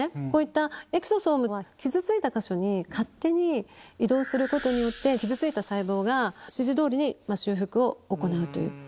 こういったエクソソームは、傷ついた箇所に勝手に移動することによって、傷ついた細胞が指示どおりに修復を行うという。